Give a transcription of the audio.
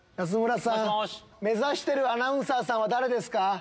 安村さん目指してるアナウンサーさんは誰ですか？